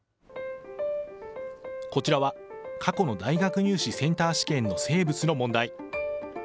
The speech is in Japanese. こちらは過去の大学入試センター試験の生物の問題。